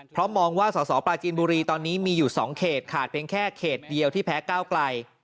เพราะมองว่าสสปลาจีนบุรีตอนนี้มีอยู่๒เขตขาดเพียงแค่เขตเดียวที่แพ้ก้าวไกล